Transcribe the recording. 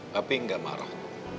papi gak marah